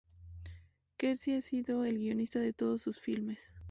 Quercia ha sido el guionista de todos sus filmes.